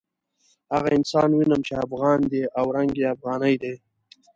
هغه انسان وینم چې افغان دی او رنګ یې افغاني دی.